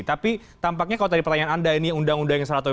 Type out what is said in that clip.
tapi tampaknya kalau tadi pertanyaan anda ini undang undang yang salah satunya